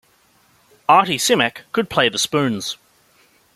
Artie Simek could play the spoons.